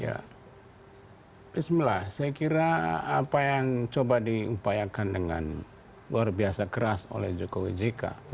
ya bismillah saya kira apa yang coba diupayakan dengan luar biasa keras oleh jokowi jk